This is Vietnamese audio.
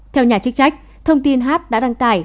theo nhà chức trách thông tin hát đã đăng tải